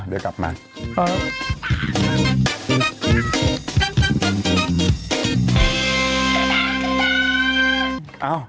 เดี๋ยวกลับมา